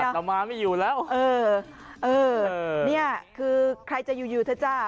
เรามาไม่อยู่แล้วเออเออนี่คือใครจะอยู่อยู่เถอะจ้า